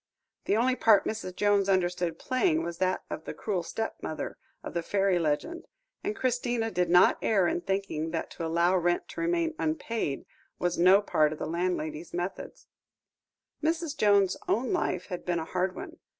The only part Mrs. Jones understood playing was that of the cruel stepmother of fairy legend, and Christina did not err in thinking that to allow rent to remain unpaid, was no part of her landlady's methods. Mrs. Jones's own life had been a hard one.